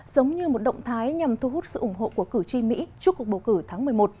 giống như một động thái nhằm thu hút sự ủng hộ của cử tri mỹ trước cuộc bầu cử tháng một mươi một